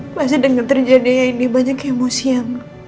pasti dengan terjadinya ini banyak emosi yang